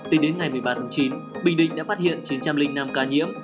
tính đến ngày một mươi ba tháng chín bình định đã phát hiện chín trăm linh năm ca nhiễm